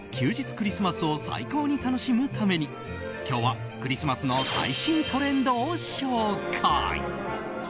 クリスマスを最高に楽しむために今日はクリスマスの最新トレンドを紹介。